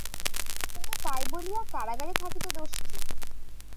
কিন্তু তাই বলিয়া কারাগারে থাকিতে দোষ কী?